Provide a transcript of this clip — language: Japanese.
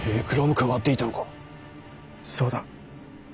そうだ。